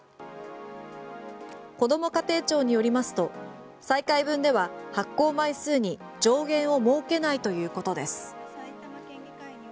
こども家庭庁によりますと再開分では発行枚数に上限を設けないということです。